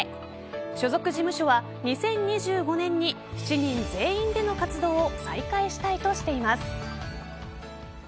所属事務所は、２０２５年に７人全員での活動を再開したいとしています。